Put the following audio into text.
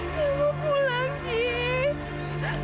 dia mau pulang